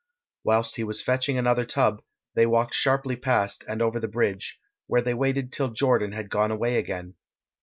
Whilst he was fetching another tub they walked sharply past and over the bridge, where they waited till Jordan had gone away again.